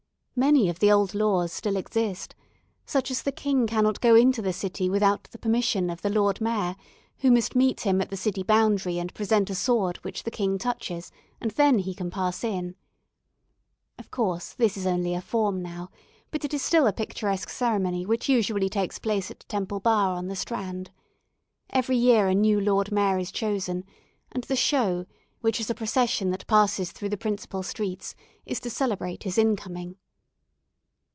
Many of the old laws still exist; such as the king cannot go into the "City" without the permission of the Lord Mayor, who must meet him at the city boundary, and present a sword which the king touches, and then he can pass in. Of course this is only a form now, but it is still a picturesque ceremony which usually takes place at Temple Bar on the Strand. Every year a new Lord Mayor is chosen, and the "Show," which is a procession that passes through the principal streets, is to celebrate his incoming.